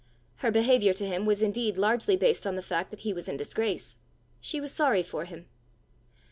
Her behaviour to him was indeed largely based on the fact that he was in disgrace: she was sorry for him.